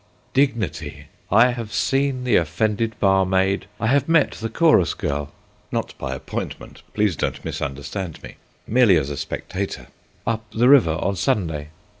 Dignity! I have seen the offended barmaid, I have met the chorus girl—not by appointment, please don't misunderstand me, merely as a spectator—up the river on Sunday.